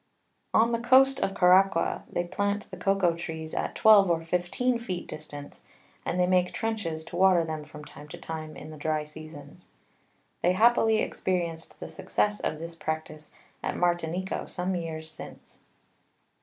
On the Coast of Caraqua, they plant the Cocao Trees at 12 or 15 Feet distance, and they make Trenches to water them from time to time in the dry Seasons. They happily experienced the Success of this Practice at Martinico some Years since.